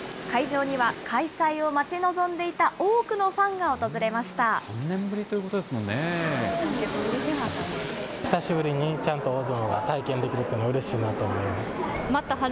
会場には、開催を待ち望んでいた多くのファンが訪れました。